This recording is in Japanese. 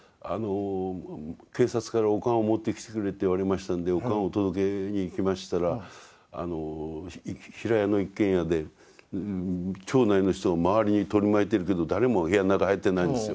警察からお棺を持ってきてくれって言われましたんでお棺を届けに行きましたら平屋の一軒家で町内の人が周りに取り巻いてるけど誰も部屋の中へ入ってないんですよ。